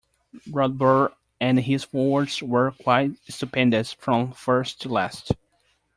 Rodber and his forwards were quite stupendous from first to last.